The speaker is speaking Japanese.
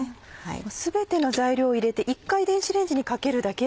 全ての材料を入れて１回電子レンジにかけるだけで。